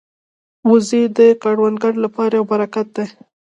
وزې د کروندګرو لپاره یو برکت دي